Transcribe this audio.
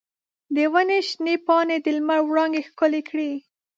د ونې شنې پاڼې د لمر وړانګې ښکلې کړې.